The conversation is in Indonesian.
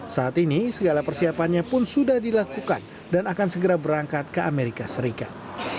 saat ini segala persiapannya pun sudah dilakukan dan akan segera berangkat ke amerika serikat